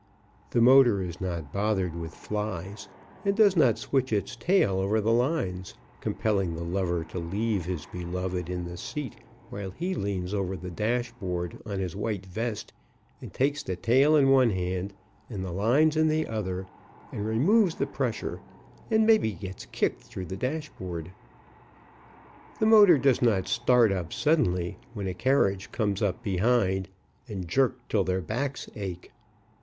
The motor is not bothered with flies, and does not switch its tail over the lines, compelling the lover to leave his beloved in the seat while he leans over the dashboard on his white vest and takes the tail in one hand and the lines in the other, and re moves the pressure, and maybe gets kicked through the dashboard. The motor does not start up sud denly when a carriage comes up behind, and jerk till their backs ache.